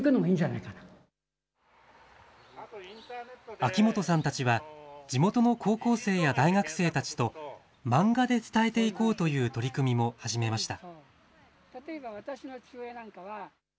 秋本さんたちは、地元の高校生や大学生たちと、漫画で伝えていこうという取り組みも始めました。